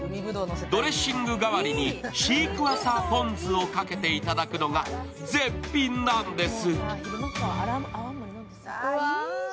ドレッシング代わりにシークヮーサーポン酢をかけていただくのが絶品なんです。